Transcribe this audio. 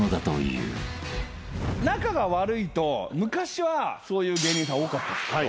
仲が悪いと昔はそういう芸人さん多かったですけど。